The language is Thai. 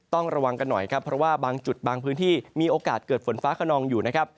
ต้องระวังกันหน่อยครับเพราะว่าบางจุดบางพื้นที่มีโอกาสเกิดฝนฟ้าขนองอยู่นะครับ